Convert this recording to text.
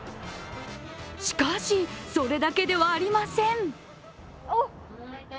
しかし、それだけではありません。